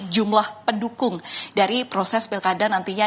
jumlah pendukung dari proses pilkada nantinya